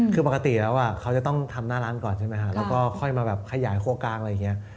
คือปกติแล้วเขาจะต้องทำหน้าร้านก่อนใช่ไหมครับแล้วก็ค่อยมาแบบขยายครัวกลางอะไรอย่างนี้